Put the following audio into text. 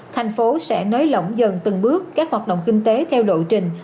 thành phố sẽ nới lỏng dần từng bước các hoạt động kinh tế theo lộ trình